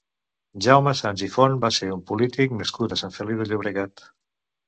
Jaume Sans i Font va ser un polític nascut a Sant Feliu de Llobregat.